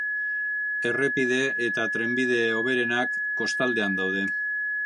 Errepide eta trenbide hoberenak kostaldean daude.